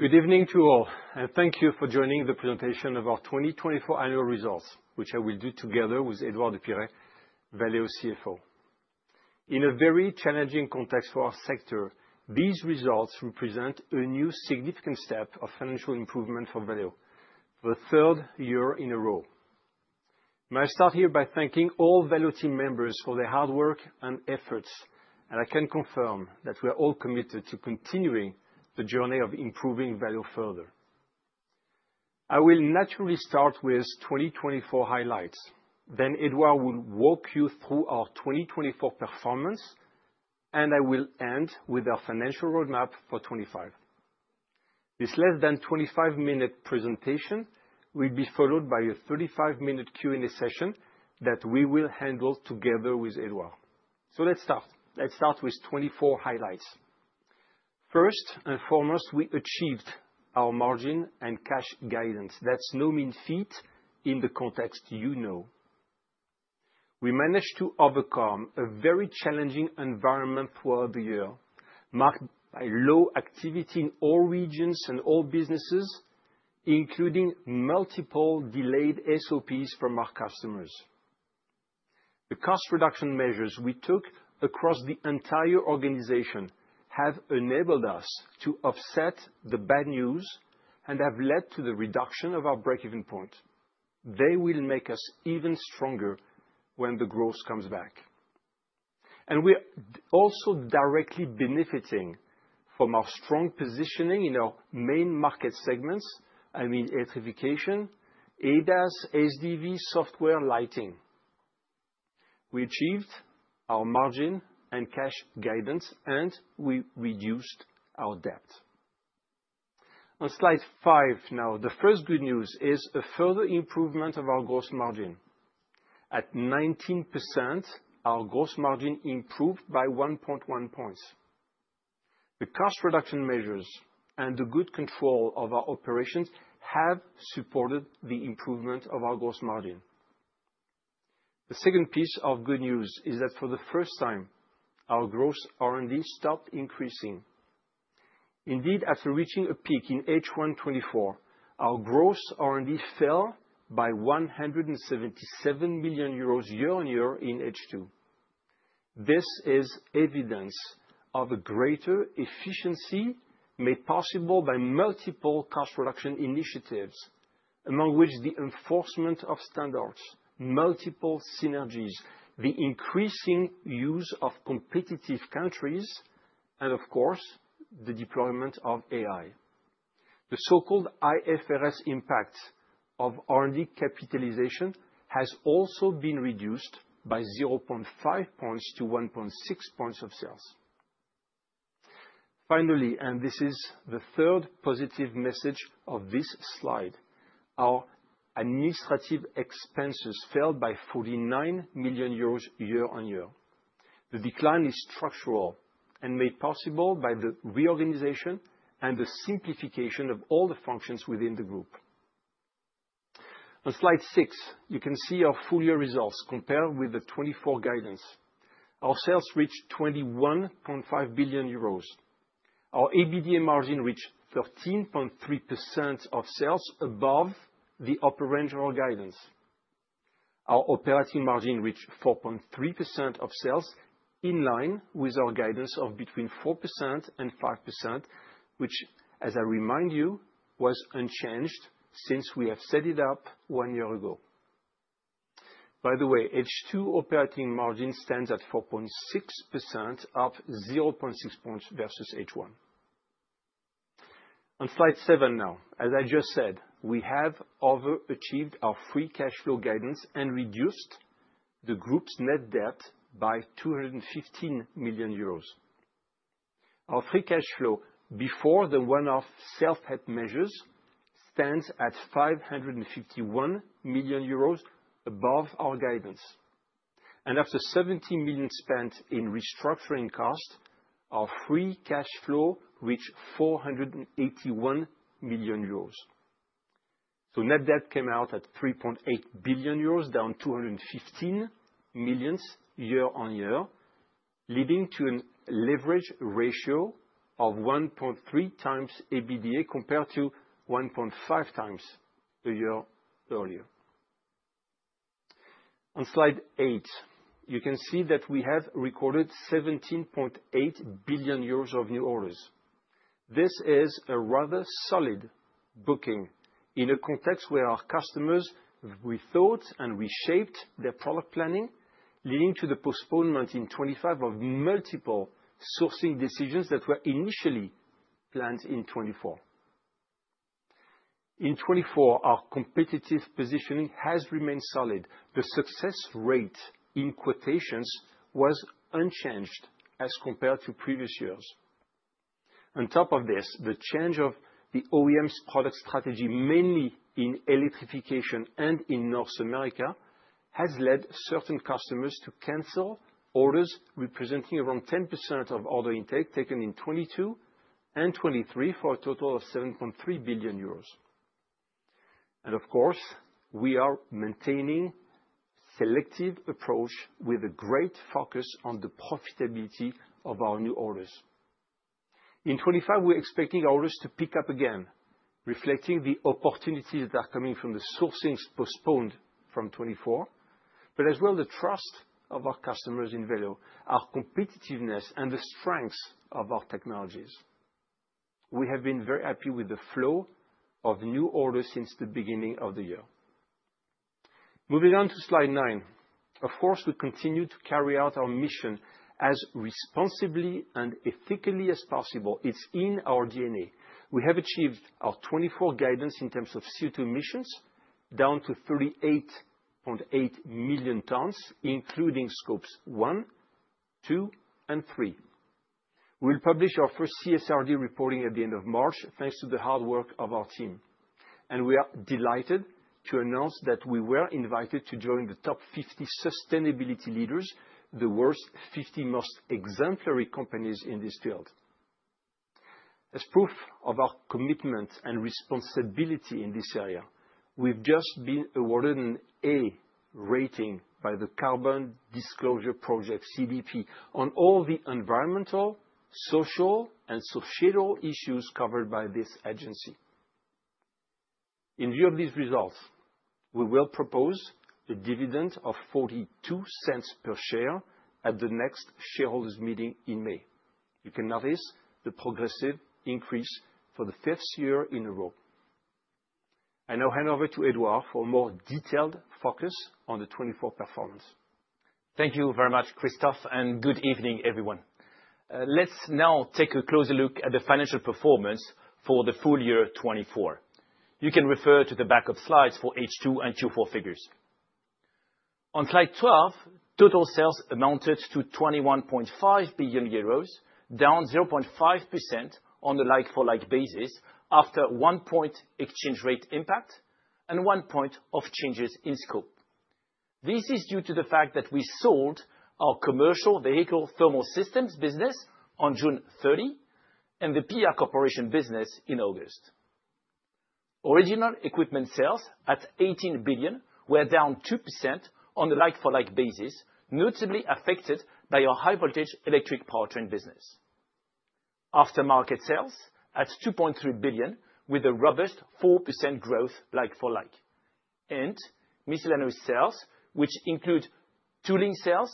Good evening to all, and thank you for joining the presentation of our 2024 annual results, which I will do together with Édouard de Pirey, Valeo CFO. In a very challenging context for our sector, these results represent a new significant step of financial improvement for Valeo, the third year in a row. May I start here by thanking all Valeo team members for their hard work and efforts, and I can confirm that we are all committed to continuing the journey of improving Valeo further. I will naturally start with 2024 highlights, then Édouard will walk you through our 2024 performance, and I will end with our financial roadmap for 2025. This less than 25-minute presentation will be followed by a 35-minute Q&A session that we will handle together with Édouard. So let's start. Let's start with 2024 highlights. First and foremost, we achieved our margin and cash guidance. That's no mean feat in the context you know. We managed to overcome a very challenging environment throughout the year, marked by low activity in all regions and all businesses, including multiple delayed SOPs from our customers. The cost reduction measures we took across the entire organization have enabled us to offset the bad news and have led to the reduction of our break-even point. They will make us even stronger when the growth comes back. And we're also directly benefiting from our strong positioning in our main market segments. I mean electrification, ADAS, SDV, software, and lighting. We achieved our margin and cash guidance, and we reduced our debt. On Slide Five now, the first good news is a further improvement of our gross margin. At 19%, our gross margin improved by 1.1 points. The cost reduction measures and the good control of our operations have supported the improvement of our gross margin. The second piece of good news is that for the first time, our gross R&D stopped increasing. Indeed, after reaching a peak in H1 2024, our gross R&D fell by 177 million euros year-on-year in H2. This is evidence of a greater efficiency made possible by multiple cost reduction initiatives, among which the enforcement of standards, multiple synergies, the increasing use of competitive countries, and of course, the deployment of AI. The so-called IFRS impact of R&D capitalization has also been reduced by 0.5 points to 1.6 points of sales. Finally, and this is the third positive message of this slide, our administrative expenses fell by 49 million euros year-on-year. The decline is structural and made possible by the reorganization and the simplification of all the functions within the group. On Slide Six, you can see our full-year results compared with the 2024 guidance. Our sales reached 21.5 billion euros. Our EBITDA margin reached 13.3% of sales, above the upper range of our guidance. Our operating margin reached 4.3% of sales in line with our guidance of between 4%-5%, which, as I remind you, was unchanged since we have set it up one year ago. By the way, H2 operating margin stands at 4.6%, up 0.6 points versus H1. On Slide Seven now, as I just said, we have overachieved our free cash flow guidance and reduced the group's net debt by 215 million euros. Our free cash flow before the one-off self-help measures stands at 551 million euros, above our guidance. And after 70 million spent in restructuring cost, our free cash flow reached 481 million euros. Net debt came out at 3.8 billion euros, down 215 million year-on-year, lading to a leverage ratio of 1.3x EBITDA compared to 1.5x a year earlier. On Slide Eight, you can see that we have recorded 17.8 billion euros of new orders. This is a rather solid booking in a context where our customers rethought and reshaped their product planning, leading to the postponement in 2025 of multiple sourcing decisions that were initially planned in 2024. In 2024, our competitive positioning has remained solid. The success rate in quotations was unchanged as compared to previous years. On top of this, the change of the OEM's product strategy, mainly in electrification and in North America, has led certain customers to cancel orders representing around 10% of order intake taken in 2022 and 2023 for a total of €7.3 billion. Of course, we are maintaining a selective approach with a great focus on the profitability of our new orders. In 2025, we're expecting our orders to pick up again, reflecting the opportunities that are coming from the sourcings postponed from 2024, but as well the trust of our customers in Valeo, our competitiveness, and the strengths of our technologies. We have been very happy with the flow of new orders since the beginning of the year. Moving on to Slide Nine, of course, we continue to carry out our mission as responsibly and ethically as possible. It's in our DNA. We have achieved our 2024 guidance in terms of CO2 emissions, down to 38.8 million tons, including Scope 1, 2, and 3. We'll publish our first CSRD reporting at the end of March, thanks to the hard work of our team. We are delighted to announce that we were invited to join the top 50 sustainability leaders, the world's 50 most exemplary companies in this field. As proof of our commitment and responsibility in this area, we've just been awarded an A rating by the Carbon Disclosure Project, CDP, on all the environmental, social, and societal issues covered by this agency. In view of these results, we will propose a dividend of 0.42 per share at the next shareholders' meeting in May. You can notice the progressive increase for the fifth year in a row. I now hand over to Édouard for a more detailed focus on the 2024 performance. Thank you very much, Christophe, and good evening, everyone. Let's now take a closer look at the financial performance for the full year 2024. You can refer to the back of slides for H2 and Q4 figures. On Slide 12, total sales amounted to 21.5 billion euros, down 0.5% on the like-for-like basis after one point exchange rate impact and one point of changes in scope. This is due to the fact that we sold our Thermal Commercial Systems business on June 30 and the PIAA Corporation business in August. Original equipment sales at 18 billion were down 2% on the like-for-like basis, notably affected by our high-voltage electric powertrain business. Aftermarket sales at 2.3 billion with a robust 4% growth like-for-like. Miscellaneous sales, which include tooling sales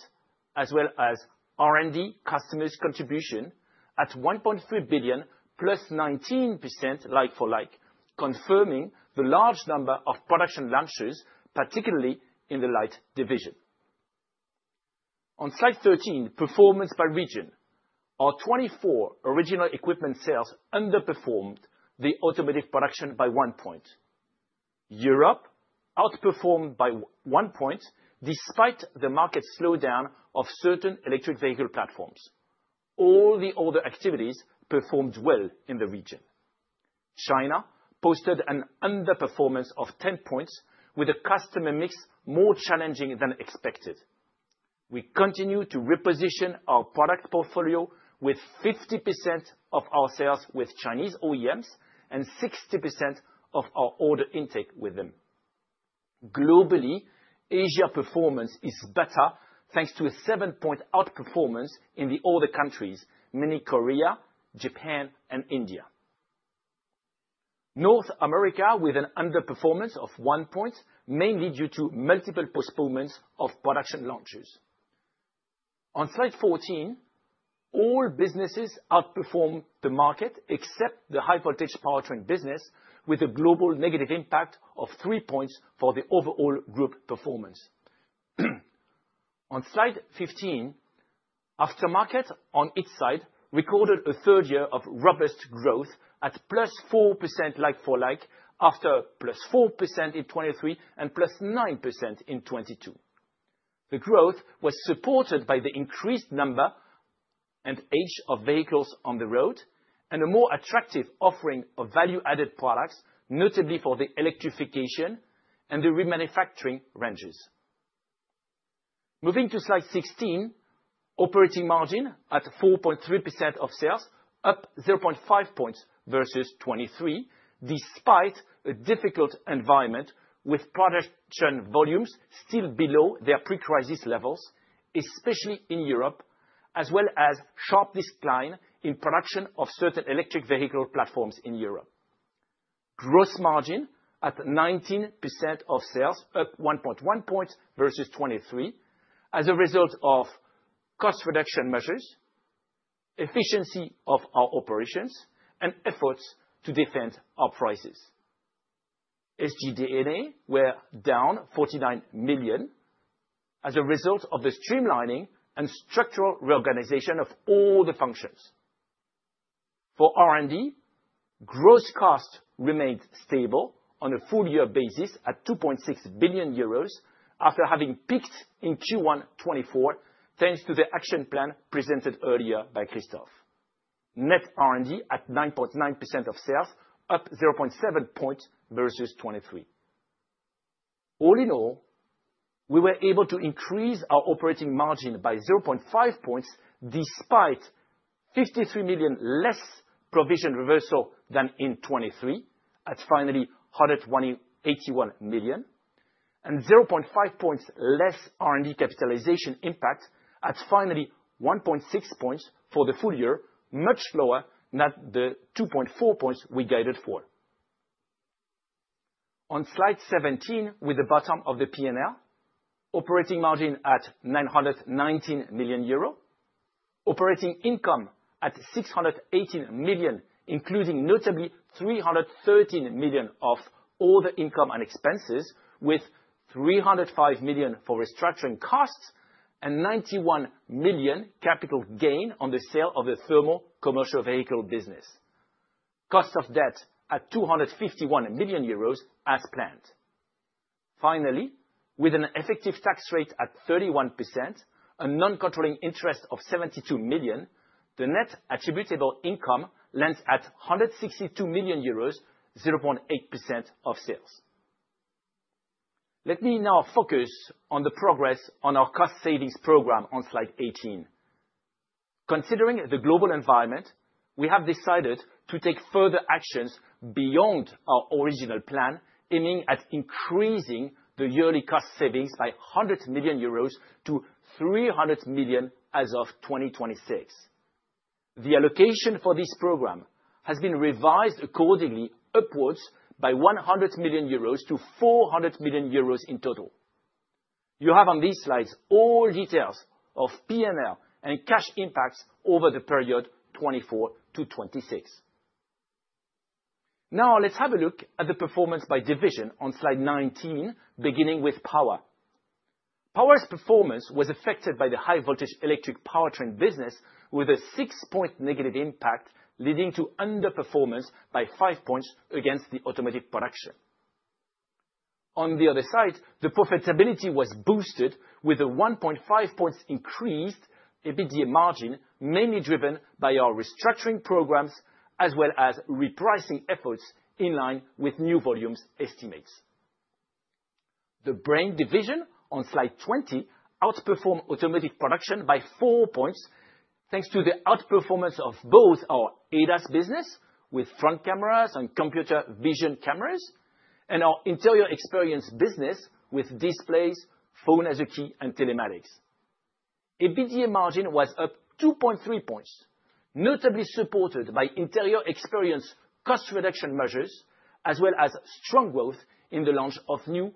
as well as R&D customers' contribution at 1.3 billion, +19% like-for-like, confirming the large number of production launches, particularly in the light division. On Slide 13, performance by region. Our 2024 original equipment sales underperformed the automotive production by one point. Europe outperformed by one point despite the market slowdown of certain electric vehicle platforms. All the other activities performed well in the region. China posted an underperformance of 10 points with a customer mix more challenging than expected. We continue to reposition our product portfolio with 50% of our sales with Chinese OEMs and 60% of our order intake with them. Globally, Asia performance is better thanks to a seven-point outperformance in the other countries, meaning Korea, Japan, and India. North America with an underperformance of one point, mainly due to multiple postponements of production launches. On Slide 14, all businesses outperform the market except the high-voltage powertrain business, with a global negative impact of three points for the overall group performance. On Slide 15, aftermarket on its side recorded a third year of robust growth at +4% like-for-like after +4% in 2023 and +9% in 2022. The growth was supported by the increased number and age of vehicles on the road and a more attractive offering of value-added products, notably for the electrification and the remanufacturing ranges. Moving to Slide 16, operating margin at 4.3% of sales up 0.5 points versus 2023, despite a difficult environment with production volumes still below their pre-crisis levels, especially in Europe, as well as sharp decline in production of certain electric vehicle platforms in Europe. Gross margin at 19% of sales up 1.1 points versus 2023 as a result of cost reduction measures, efficiency of our operations, and efforts to defend our prices. SG&A were down 49 million as a result of the streamlining and structural reorganization of all the functions. For R&D, gross cost remained stable on a full-year basis at 2.6 billion euros after having peaked in Q1 2024 thanks to the action plan presented earlier by Christophe. Net R&D at 9.9% of sales up 0.7 points versus 2023. All in all, we were able to increase our operating margin by 0.5 points despite 53 million less provision reversal than in 2023 at finally 181 million and 0.5 points less R&D capitalization impact at finally 1.6 points for the full year, much lower than the 2.4 points we guided for. On Slide 17, with the bottom of the P&L, operating margin at 919 million euro, operating income at 618 million, including notably 313 million of all the income and expenses, with 305 million for restructuring costs and 91 million capital gain on the sale of the thermal commercial vehicle business. Cost of debt at 251 million euros as planned. Finally, with an effective tax rate at 31%, a non-controlling interest of 72 million, the net attributable income lands at 162 million euros, 0.8% of sales. Let me now focus on the progress on our cost savings program on Slide 18. Considering the global environment, we have decided to take further actions beyond our original plan, aiming at increasing the yearly cost savings by 100 million euros to 300 million as of 2026. The allocation for this program has been revised accordingly upwards by 100 million euros to 400 million euros in total. You have on these slides all details of P&L and cash impacts over the period 2024 to 2026. Now let's have a look at the performance by division on Slide 19, beginning with power. Power's performance was affected by the high-voltage electric powertrain business with a six-point negative impact, leading to underperformance by five points against the automotive production. On the other side, the profitability was boosted with a 1.5 points increased EBITDA margin, mainly driven by our restructuring programs as well as repricing efforts in line with new volumes estimates. The Brain division on Slide 20 outperformed automotive production by four points thanks to the outperformance of both our ADAS business with front cameras and computer vision cameras and our Interior Experience business with displays, Phone as a Key, and Telematics. EBITDA margin was up 2.3 points, notably supported by Interior Experience cost reduction measures as well as strong growth in the launch of new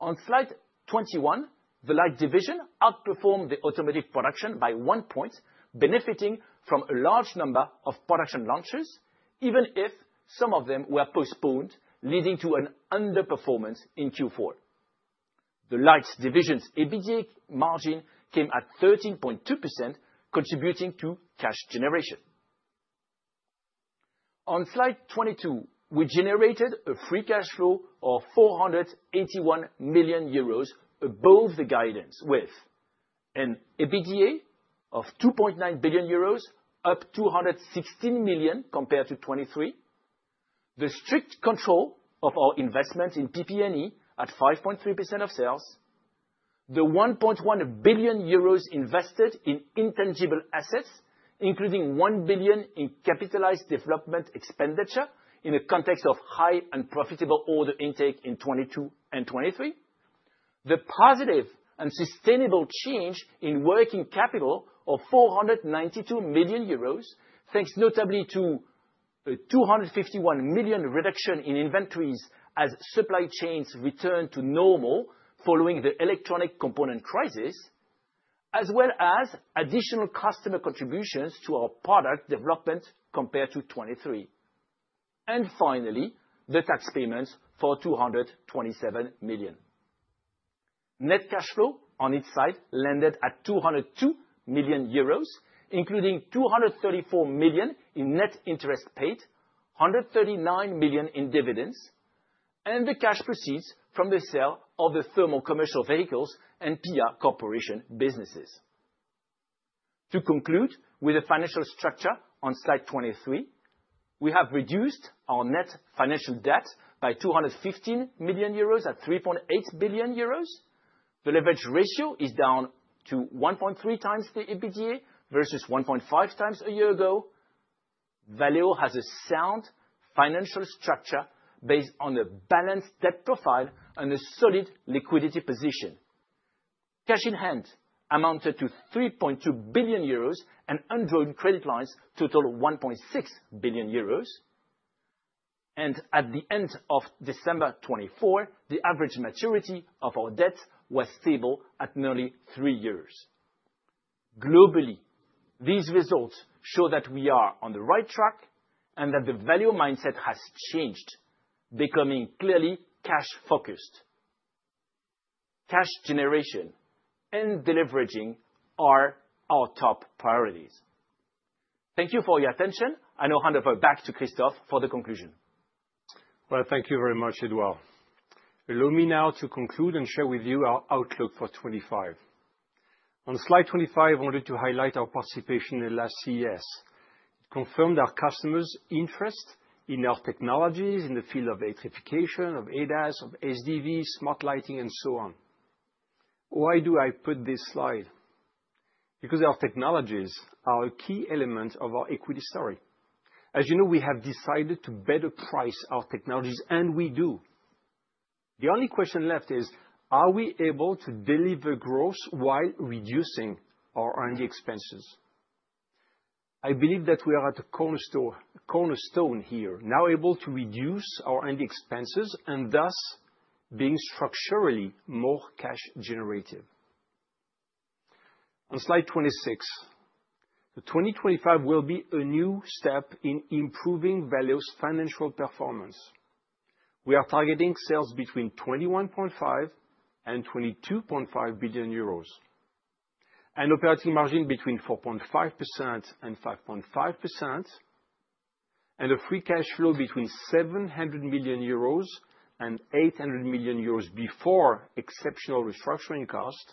high-margin contracts. On Slide 21, the Light division outperformed the automotive production by one point, benefiting from a large number of production launches, even if some of them were postponed, leading to an underperformance in Q4. The Light division's EBITDA margin came at 13.2%, contributing to cash generation. On Slide 22, we generated a free cash flow of 481 million euros above the guidance with an EBITDA of 2.9 billion euros, up 216 million compared to 2023, the strict control of our investment in PP&E at 5.3% of sales, the 1.1 billion euros invested in intangible assets, including 1 billion in capitalized development expenditure in the context of high and profitable order intake in 2022 and 2023, the positive and sustainable change in working capital of 492 million euros, thanks notably to a 251 million reduction in inventories as supply chains returned to normal following the electronic component crisis, as well as additional customer contributions to our product development compared to 2023, and finally, the tax payments for 227 million. Net cash flow on its side landed at 202 million euros, including 234 million in net interest paid, 139 million in dividends, and the cash proceeds from the sale of the Thermal Commercial Systems and PIAA Corporation businesses. To conclude with the financial structure on Slide 23, we have reduced our net financial debt by 215 million euros at 3.8 billion euros. The leverage ratio is down to 1.3x the EBITDA versus 1.5x a year ago. Valeo has a sound financial structure based on a balanced debt profile and a solid liquidity position. Cash in hand amounted to 3.2 billion euros and undrawn credit lines totaled 1.6 billion euros. At the end of December 2024, the average maturity of our debt was stable at nearly 3 years. Globally, these results show that we are on the right track and that the value mindset has changed, becoming clearly cash-focused. Cash generation and deleveraging are our top priorities. Thank you for your attention. I now hand over back to Christophe for the conclusion. Thank you very much, Édouard. Allow me now to conclude and share with you our outlook for 2025. On Slide 25, I wanted to highlight our participation in the last CES. It confirmed our customers' interest in our technologies in the field of electrification, of ADAS, of SDV, smart lighting, and so on. Why do I put this slide? Because our technologies are a key element of our equity story. As you know, we have decided to better price our technologies, and we do. The only question left is, are we able to deliver growth while reducing our R&D expenses? I believe that we are at a cornerstone here, now able to reduce our R&D expenses and thus being structurally more cash-generative. On Slide 26, the 2025 will be a new step in improving Valeo's financial performance. We are targeting sales between 21.5 billion-22.5 billion euros, an operating margin between 4.5% and 5.5%, and a free cash flow between 700 million euros and 800 million euros before exceptional restructuring costs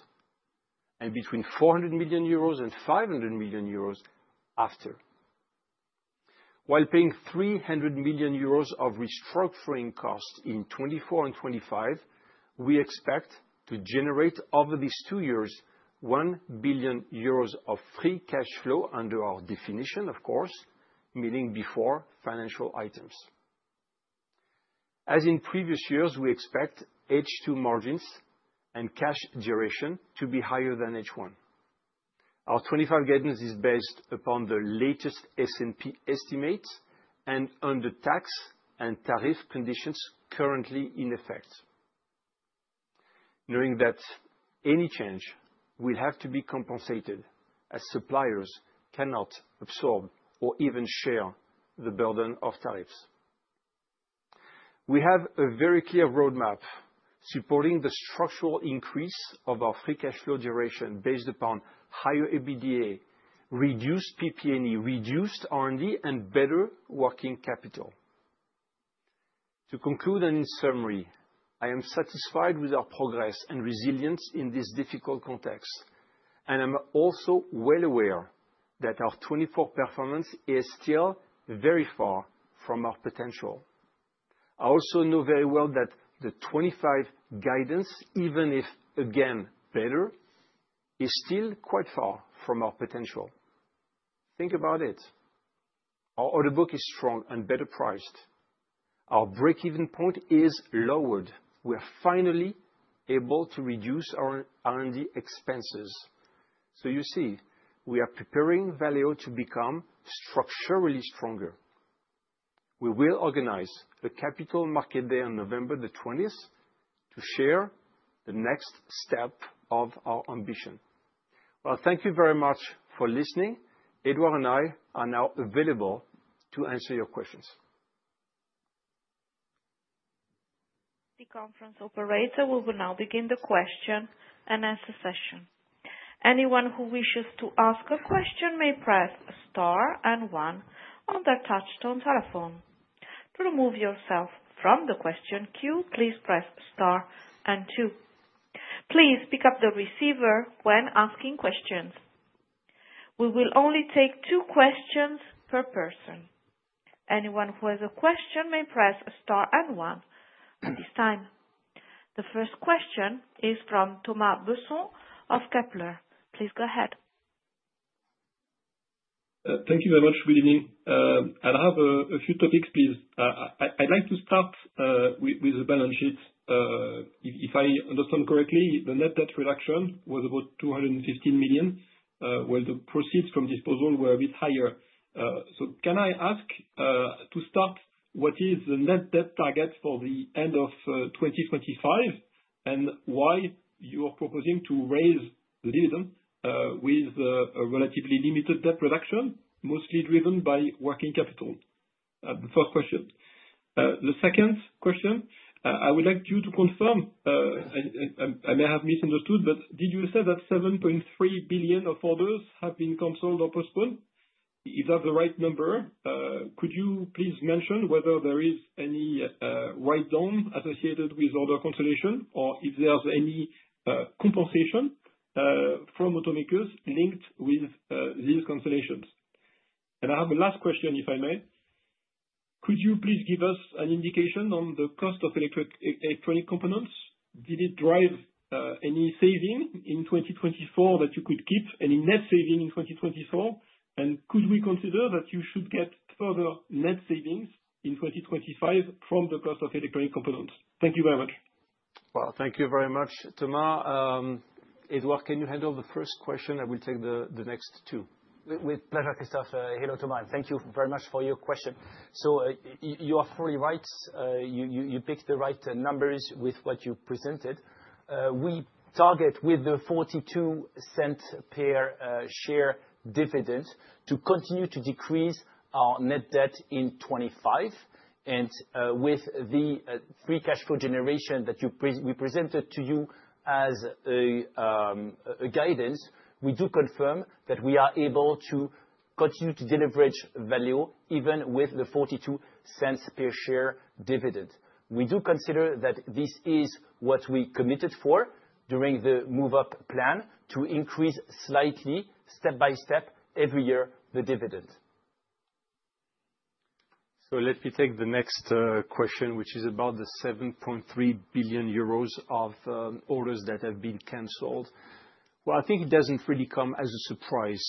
and between 400 million euros and 500 million euros after. While paying 300 million euros of restructuring costs in 2024 and 2025, we expect to generate over these two years 1 billion euros of free cash flow under our definition, of course, meaning before financial items. As in previous years, we expect H2 margins and cash duration to be higher than H1. Our 2025 guidance is based upon the latest S&P estimates and under tax and tariff conditions currently in effect. Knowing that any change will have to be compensated as suppliers cannot absorb or even share the burden of tariffs. We have a very clear roadmap supporting the structural increase of our free cash flow duration based upon higher EBITDA, reduced PP&E, reduced R&D, and better working capital. To conclude and in summary, I am satisfied with our progress and resilience in this difficult context, and I'm also well aware that our 2024 performance is still very far from our potential. I also know very well that the 2025 guidance, even if again better, is still quite far from our potential. Think about it. Our order book is strong and better priced. Our break-even point is lowered. We are finally able to reduce our R&D expenses. So you see, we are preparing Valeo to become structurally stronger. We will organize a Capital Markets Day on November 20th to share the next step of our ambition. Well, thank you very much for listening. Édouard and I are now available to answer your questions. The conference operator will now begin the question and answer session. Anyone who wishes to ask a question may press star and one on their touch-tone telephone. To remove yourself from the question queue, please press star and two. Please pick up the receiver when asking questions. We will only take two questions per person. Anyone who has a question may press star and one at this time. The first question is from Thomas Besson of Kepler. Please go ahead. Thank you very much, Mélanie. I have a few topics, please. I'd like to start with the balance sheet. If I understand correctly, the net debt reduction was about 215 million, while the proceeds from disposal were a bit higher. So can I ask to start, what is the net debt target for the end of 2025 and why you are proposing to raise the dividend with a relatively limited debt reduction, mostly driven by working capital? The first question. The second question, I would like you to confirm, I may have misunderstood, but did you say that 7.3 billion of orders have been canceled or postponed? Is that the right number? Could you please mention whether there is any write-down associated with order cancellation or if there's any compensation from automakers linked with these cancellations? And I have a last question, if I may. Could you please give us an indication on the cost of electronic components? Did it drive any savings in 2024 that you could keep, any net savings in 2024, and could we consider that you should get further net savings in 2025 from the cost of electronic components? Thank you very much. Thank you very much, Thomas. Édouard, can you handle the first question? I will take the next two. With pleasure, Christophe. Hello, Thomas, and thank you very much for your question. You are fully right. You picked the right numbers with what you presented. We target with the 0.42 per share dividend to continue to decrease our net debt in 2025. And with the free cash flow generation that we presented to you as a guidance, we do confirm that we are able to continue to deleverage Valeo even with the 0.42 per share dividend. We do consider that this is what we committed for during the Move Up plan to increase slightly, step by step, every year the dividend. Let me take the next question, which is about the 7.3 billion euros of orders that have been canceled. Well, I think it doesn't really come as a surprise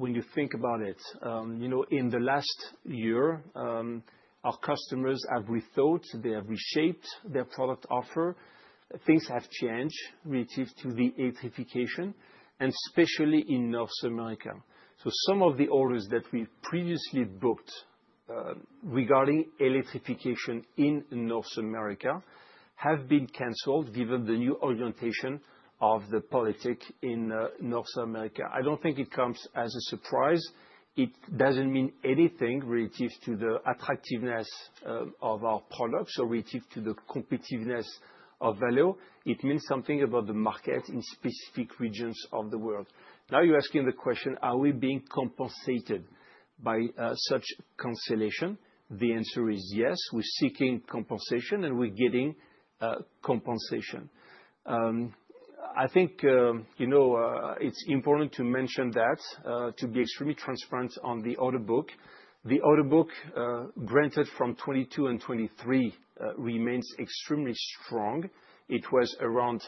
when you think about it. In the last year, our customers have rethought, they have reshaped their product offer. Things have changed relative to the electrification, and especially in North America. So some of the orders that we previously booked regarding electrification in North America have been canceled given the new orientation of the politics in North America. I don't think it comes as a surprise. It doesn't mean anything relative to the attractiveness of our products or relative to the competitiveness of Valeo. It means something about the market in specific regions of the world. Now you're asking the question, are we being compensated by such cancellation? The answer is yes. We're seeking compensation and we're getting compensation. I think it's important to mention that, to be extremely transparent on the order book. The order book granted from 2022 and 2023 remains extremely strong. It was around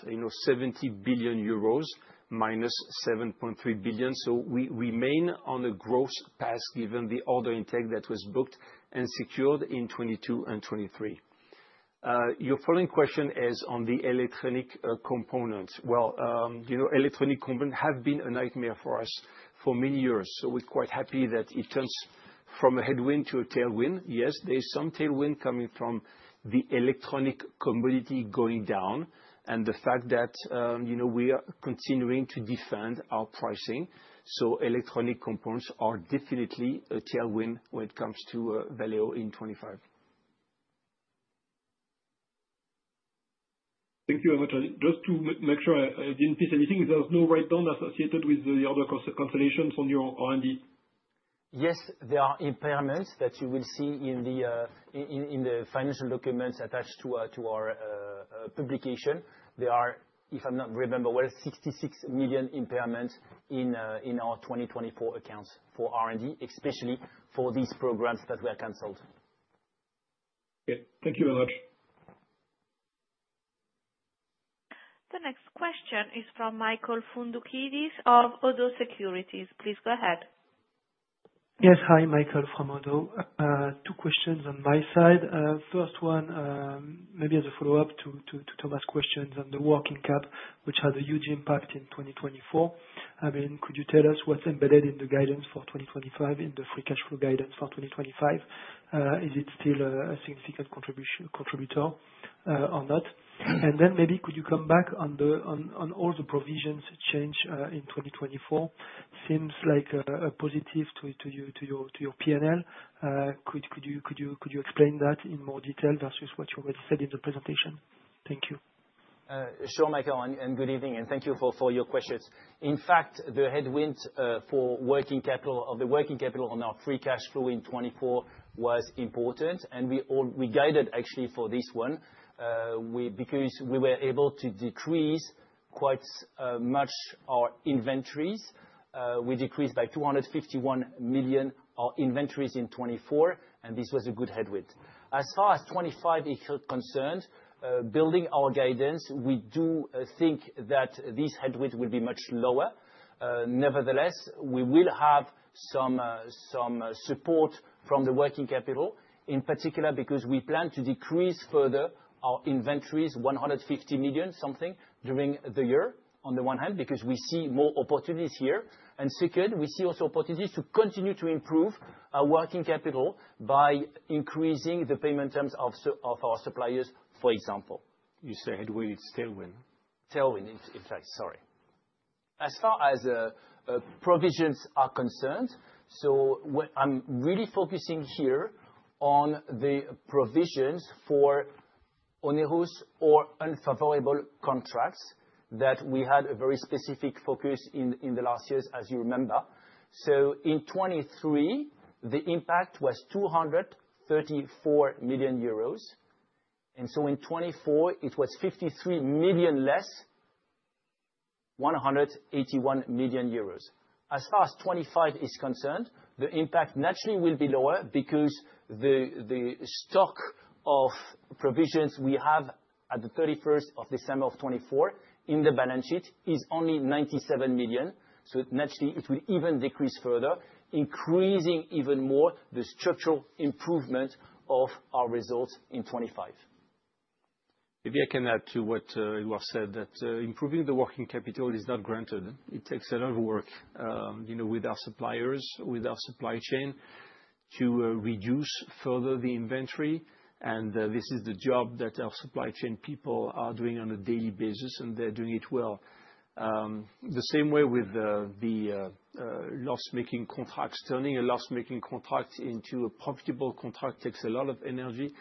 70 billion euros, -7.3 billion. So we remain on a growth path given the order intake that was booked and secured in 2022 and 2023. Your following question is on the electronic components. Well, electronic components have been a nightmare for us for many years. So we're quite happy that it turns from a headwind to a tailwind. Yes, there is some tailwind coming from the electronic commodity going down and the fact that we are continuing to defend our pricing. So electronic components are definitely a tailwind when it comes to Valeo in 2025. Thank you very much. Just to make sure I didn't miss anything, there's no write-down associated with the order cancellations on your R&D? Yes, there are impairments that you will see in the financial documents attached to our publication. There are, if I remember well, 66 million impairments in our 2024 accounts for R&D, especially for these programs that were canceled. Okay. Thank you very much. The next question is from Michael Foundoukidis of ODDO BHF Group. Please go ahead. Yes, hi, Michael from ODDO. Two questions on my side. First one, maybe as a follow-up to Thomas's questions on the working cap, which had a huge impact in 2024. I mean, could you tell us what's embedded in the guidance for 2025, in the free cash flow guidance for 2025? Is it still a significant contributor or not? And then maybe could you come back on all the provisions change in 2024? Seems like a positive to your P&L. Could you explain that in more detail versus what you already said in the presentation? Thank you. Sure, Michael, and good evening, and thank you for your questions. In fact, the headwind for working capital of the working capital on our free cash flow in 2024 was important, and we guided actually for this one because we were able to decrease quite much our inventories. We decreased by 251 million our inventories in 2024, and this was a good headwind. As far as 2025 is concerned, building our guidance, we do think that these headwinds will be much lower. Nevertheless, we will have some support from the working capital, in particular because we plan to decrease further our inventories, 150 million something during the year on the one hand, because we see more opportunities here. And second, we see also opportunities to continue to improve our working capital by increasing the payment terms of our suppliers, for example. You said headwind, it's tailwind. Tailwind in place. Sorry. As far as provisions are concerned, so I'm really focusing here on the provisions for onerous or unfavorable contracts that we had a very specific focus in the last years, as you remember. In 2023, the impact was 234 million euros. And in 2024, it was 53 million less, 181 million euros. As far as 2025 is concerned, the impact naturally will be lower because the stock of provisions we have at the 31st December of 2024 in the balance sheet is only 97 million. Naturally, it will even decrease further, increasing even more the structural improvement of our results in 2025. Maybe I can add to what Édouard said, that improving the working capital is not granted. It takes a lot of work with our suppliers, with our supply chain to reduce further the inventory. And this is the job that our supply chain people are doing on a daily basis, and they're doing it well. The same way with the loss-making contracts. Turning a loss-making contract into a profitable contract takes a lot of energy,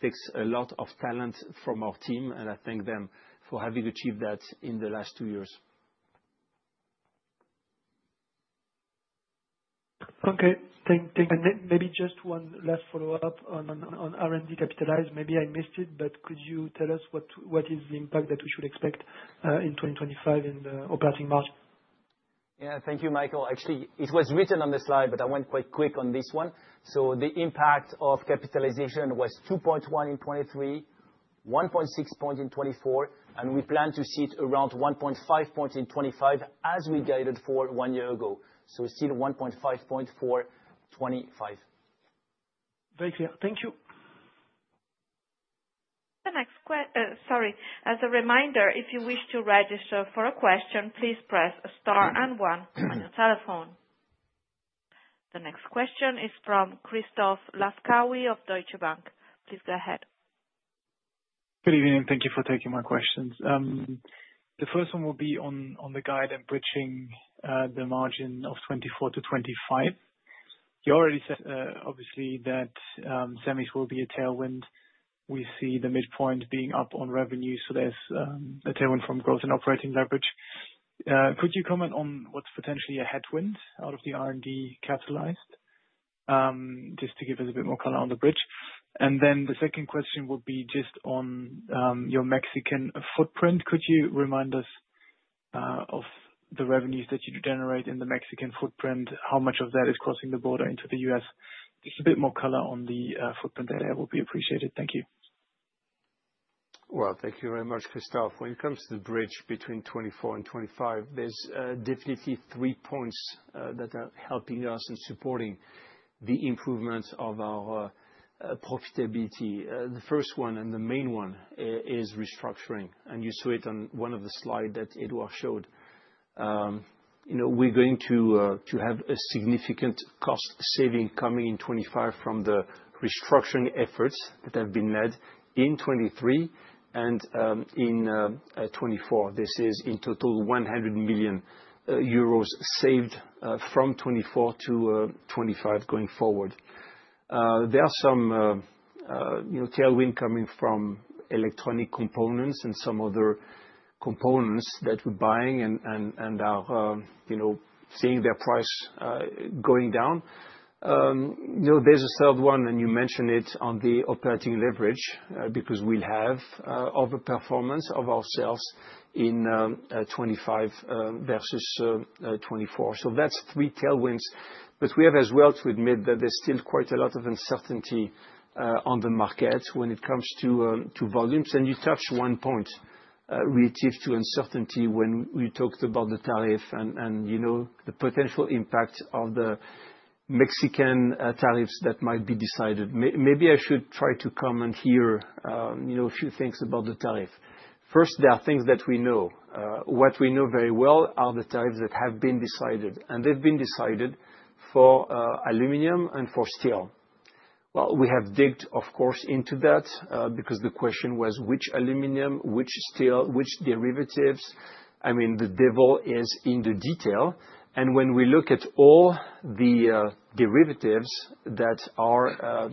takes a lot of talent from our team, and I thank them for having achieved that in the last two years. Okay. Thanks. And then maybe just one last follow-up on R&D capitalized. Maybe I missed it, but could you tell us what is the impact that we should expect in 2025 in operating margin? Yeah, thank you, Michael. Actually, it was written on the slide, but I went quite quick on this one. So the impact of capitalization was 2.1 point in 2023, 1.6 point in 2024, and we plan to see it around 1.5 point in 2025 as we guided for one year ago. So still 1.5 point for 2025. Very clear. Thank you. The next question, sorry. As a reminder, if you wish to register for a question, please press star and one on your telephone. The next question is from Christoph Laskawi of Deutsche Bank. Please go ahead. Good evening, and thank you for taking my questions. The first one will be on the guide and bridging the margin of 2024 to 2025. You already said, obviously, that semis will be a tailwind. We see the midpoint being up on revenue, so there's a tailwind from growth and operating leverage. Could you comment on what's potentially a headwind out of the R&D capitalized just to give us a bit more color on the bridge? And then the second question would be just on your Mexican footprint. Could you remind us of the revenues that you generate in the Mexican footprint, how much of that is crossing the border into the U.S.? Just a bit more color on the footprint area would be appreciated. Thank you. Thank you very much, Christoph. When it comes to the bridge between 2024 and 2025, there's definitely three points that are helping us and supporting the improvement of our profitability. The first one and the main one is restructuring. You saw it on one of the slides that Édouard showed. We're going to have a significant cost saving coming in 2025 from the restructuring efforts that have been led in 2023 and in 2024. This is in total 100 million euros saved from 2024 to 2025 going forward. There are some tailwinds coming from electronic components and some other components that we're buying and are seeing their price going down. There's a third one, and you mentioned it on the operating leverage because we'll have overperformance of ourselves in 2025 versus 2024. That's three tailwinds. We have as well to admit that there's still quite a lot of uncertainty on the market when it comes to volumes. You touched one point relative to uncertainty when we talked about the tariff and the potential impact of the Mexican tariffs that might be decided. Maybe I should try to comment here a few things about the tariff. First, there are things that we know. What we know very well are the tariffs that have been decided, and they've been decided for aluminum and for steel. We have dug, of course, into that because the question was which aluminum, which steel, which derivatives. I mean, the devil is in the detail. When we look at all the derivatives that are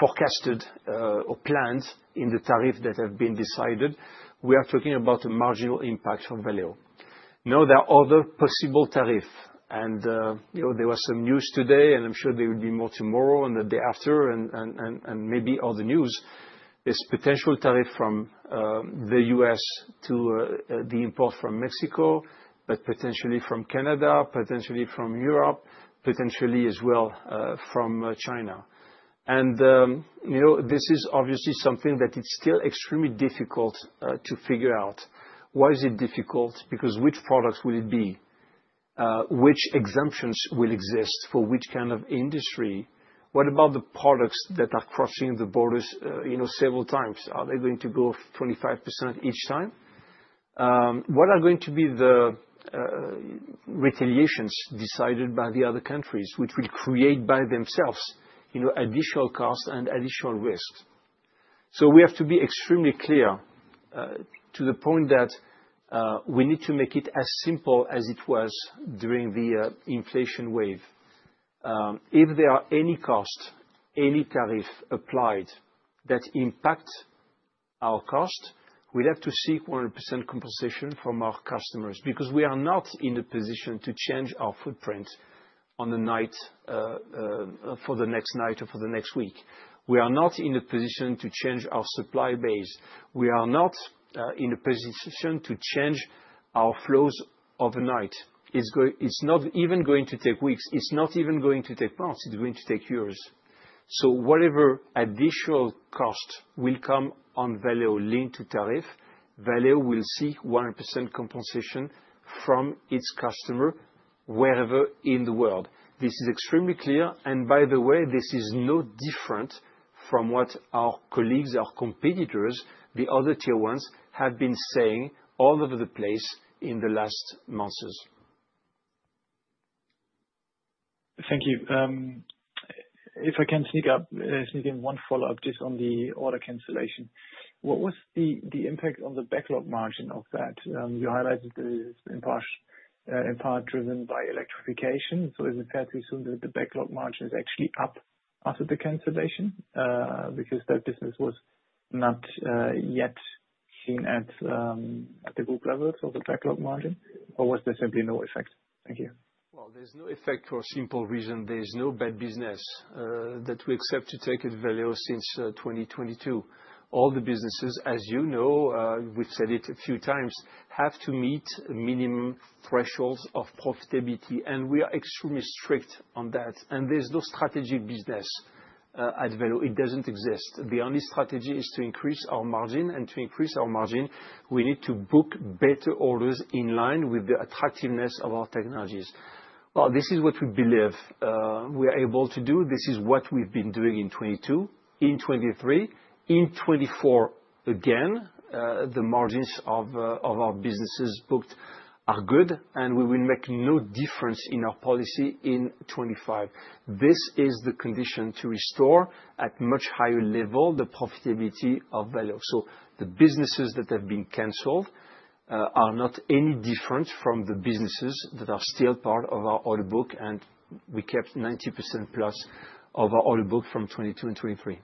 forecasted or planned in the tariff that have been decided, we are talking about a marginal impact from Valeo. Now, there are other possible tariffs and there was some news today, and I'm sure there will be more tomorrow and the day after, and maybe other news. There's potential tariff from the U.S. to the import from Mexico, but potentially from Canada, potentially from Europe, potentially as well from China and this is obviously something that it's still extremely difficult to figure out. Why is it difficult? Because which products will it be? Which exemptions will exist for which kind of industry? What about the products that are crossing the borders several times? Are they going to go 25% each time? What are going to be the retaliations decided by the other countries, which will create by themselves additional costs and additional risks so we have to be extremely clear to the point that we need to make it as simple as it was during the inflation wave. If there are any costs, any tariff applied that impact our cost, we'd have to seek 100% compensation from our customers because we are not in a position to change our footprint for the next night or for the next week. We are not in a position to change our supply base. We are not in a position to change our flows overnight. It's not even going to take weeks. It's not even going to take months. It's going to take years. So whatever additional cost will come on Valeo linked to tariff, Valeo will seek 100% compensation from its customer wherever in the world. This is extremely clear. And by the way, this is no different from what our colleagues, our competitors, the other tier ones have been saying all over the place in the last months. Thank you. If I can sneak in one follow-up just on the order cancellation, what was the impact on the backlog margin of that? You highlighted the impact driven by electrification. So is it fair to assume that the backlog margin is actually up after the cancellation because that business was not yet seen at the group levels of the backlog margin? Or was there simply no effect? Thank you. There's no effect for a simple reason. There's no bad business that we accept to take at Valeo since 2022. All the businesses, as you know, we've said it a few times, have to meet minimum thresholds of profitability, and we are extremely strict on that. There's no strategic business at Valeo. It doesn't exist. The only strategy is to increase our margin, and to increase our margin, we need to book better orders in line with the attractiveness of our technologies. This is what we believe we are able to do. This is what we've been doing in 2022, in 2023, in 2024 again. The margins of our businesses booked are good, and we will make no difference in our policy in 2025. This is the condition to restore at much higher level the profitability of Valeo. The businesses that have been canceled are not any different from the businesses that are still part of our order book, and we kept 90%+ of our order book from 2022 and 2023.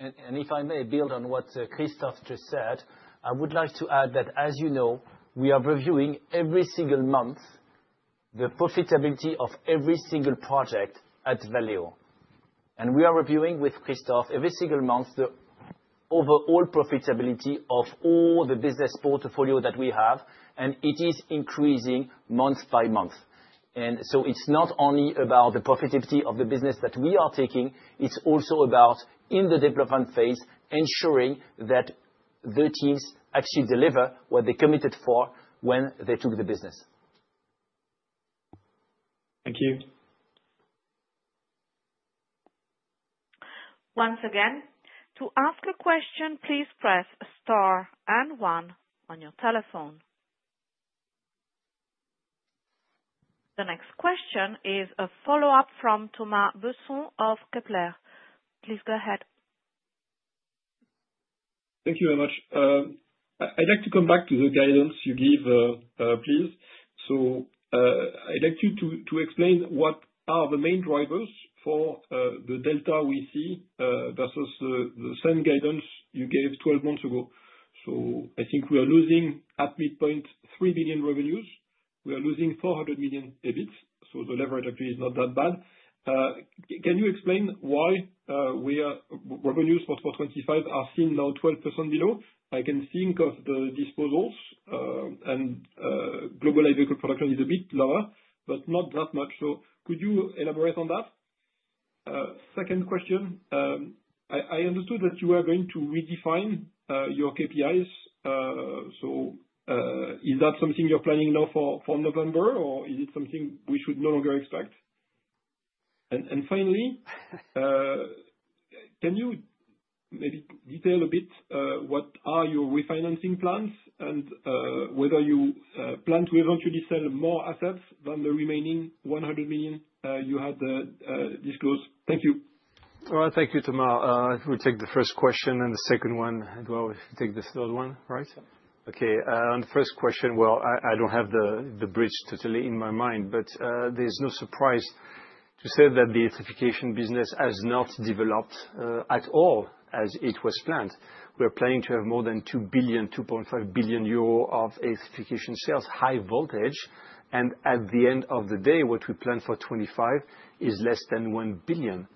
And if I may build on what Christophe just said, I would like to add that, as you know, we are reviewing every single month the profitability of every single project at Valeo. And we are reviewing with Christophe every single month the overall profitability of all the business portfolio that we have, and it is increasing month by month. And so it's not only about the profitability of the business that we are taking, it's also about, in the development phase, ensuring that the teams actually deliver what they committed for when they took the business. Thank you. Once again, to ask a question, please press star and one on your telephone. The next question is a follow-up from Thomas Besson of Kepler. Please go ahead. Thank you very much. I'd like to come back to the guidance you give, please. So I'd like you to explain what are the main drivers for the data we see versus the same guidance you gave 12 months ago. So I think we are losing at midpoint 3 billion revenues. We are losing 400 million EBIT, so the leverage actually is not that bad. Can you explain why revenues for 2025 are seen now 12% below? I can think of the disposals, and global vehicle production is a bit lower, but not that much. So could you elaborate on that? Second question, I understood that you were going to redefine your KPIs. So is that something you're planning now for November, or is it something we should no longer expect? Finally, can you maybe detail a bit what are your refinancing plans and whether you plan to eventually sell more assets than the remaining 100 million you had disclosed? Thank you. Thank you, Thomas. We'll take the first question, and the second one, Édouard, we'll take the third one, right? Okay. On the first question, well, I don't have the bridge totally in my mind, but there's no surprise to say that the electrification business has not developed at all as it was planned. We are planning to have more than 2 billion-2.5 billion euro of electrification sales, high voltage. And at the end of the day, what we plan for 2025 is less than 1 billion.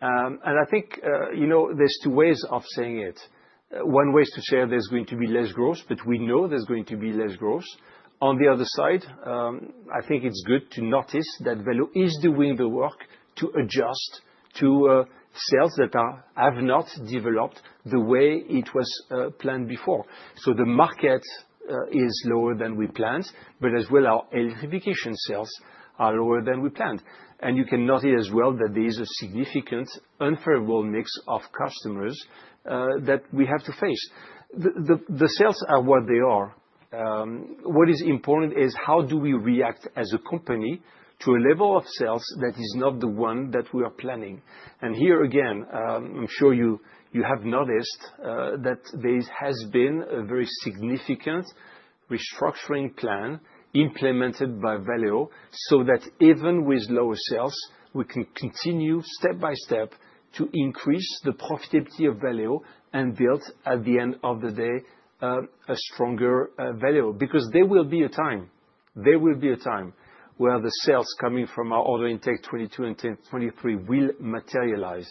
And I think there's two ways of saying it. One way is to say there's going to be less growth, but we know there's going to be less growth. On the other side, I think it's good to notice that Valeo is doing the work to adjust to sales that have not developed the way it was planned before. So the market is lower than we planned, but as well, our electrification sales are lower than we planned. And you can notice as well that there is a significant unfavorable mix of customers that we have to face. The sales are what they are. What is important is how do we react as a company to a level of sales that is not the one that we are planning? And here again, I'm sure you have noticed that there has been a very significant restructuring plan implemented by Valeo so that even with lower sales, we can continue step by step to increase the profitability of Valeo and build, at the end of the day, a stronger Valeo because there will be a time, there will be a time where the sales coming from our order intake 2022 and 2023 will materialize.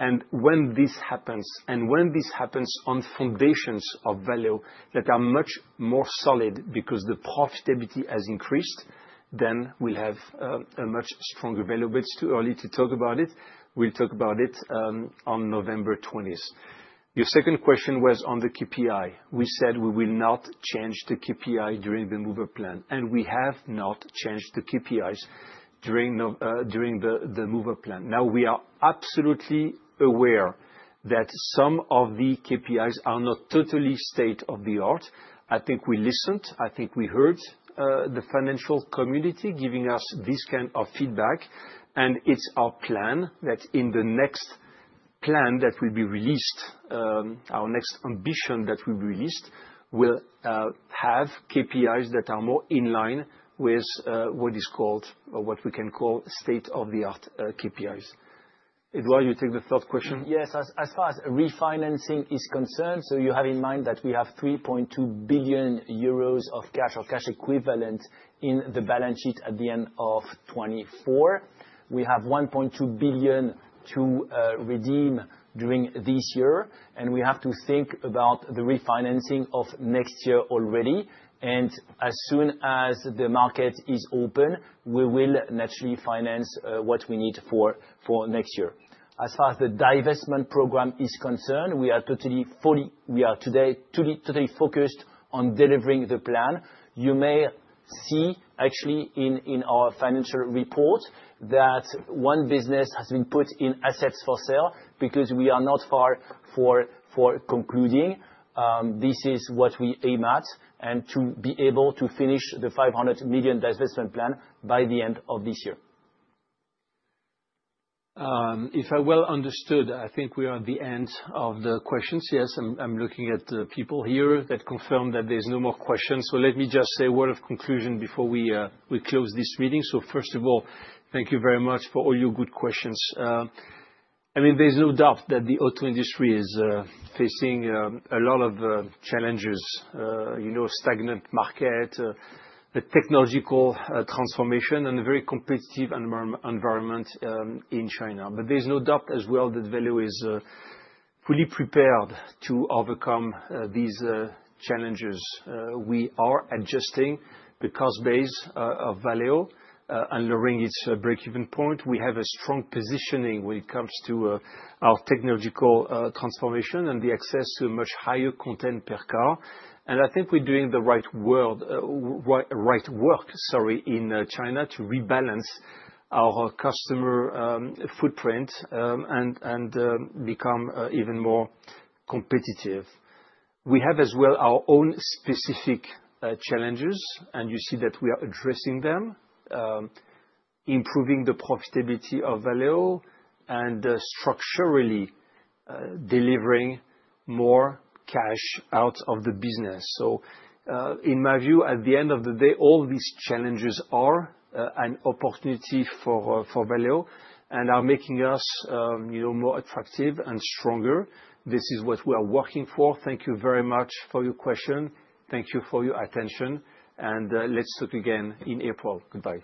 And when this happens, and when this happens on foundations of Valeo that are much more solid because the profitability has increased, then we'll have a much stronger Valeo. But it's too early to talk about it. We'll talk about it on November 20th. Your second question was on the KPI. We said we will not change the KPI during the Move Up plan, and we have not changed the KPIs during the Move Up plan. Now, we are absolutely aware that some of the KPIs are not totally state-of-the-art. I think we listened. I think we heard the financial community giving us this kind of feedback. And it's our plan that in the next plan that will be released, our next ambition that we released, will have KPIs that are more in line with what is called, or what we can call state-of-the-art KPIs. Édouard, you take the third question. Yes. As far as refinancing is concerned, so you have in mind that we have 3.2 billion euros of cash or cash equivalent in the balance sheet at the end of 2024. We have 1.2 billion to redeem during this year, and we have to think about the refinancing of next year already, and as soon as the market is open, we will naturally finance what we need for next year. As far as the divestment program is concerned, we are today totally focused on delivering the plan. You may see actually in our financial report that one business has been put in assets for sale because we are not far from concluding. This is what we aim at and to be able to finish the 500 million divestment plan by the end of this year. If I well understood, I think we are at the end of the questions. Yes, I'm looking at the people here that confirm that there's no more questions. So let me just say a word of conclusion before we close this meeting. So first of all, thank you very much for all your good questions. I mean, there's no doubt that the auto industry is facing a lot of challenges, a stagnant market, a technological transformation, and a very competitive environment in China. But there's no doubt as well that Valeo is fully prepared to overcome these challenges. We are adjusting the cost base of Valeo and lowering its break-even point. We have a strong positioning when it comes to our technological transformation and the access to a much higher content per car. And I think we're doing the right work, sorry, in China to rebalance our customer footprint and become even more competitive. We have as well our own specific challenges, and you see that we are addressing them, improving the profitability of Valeo, and structurally delivering more cash out of the business. So in my view, at the end of the day, all these challenges are an opportunity for Valeo and are making us more attractive and stronger. This is what we are working for. Thank you very much for your question. Thank you for your attention. And let's talk again in April. Goodbye.